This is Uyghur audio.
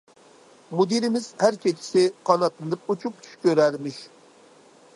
مۇدىرىمىز ھەر كېچىسى قاناتلىنىپ ئۇچۇپ چۈش كۆرەرمىش.